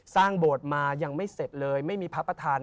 โบสถ์มายังไม่เสร็จเลยไม่มีพระประธาน